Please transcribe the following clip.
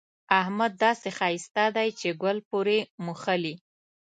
احمد داسې ښايسته دی چې ګل پورې مښلي.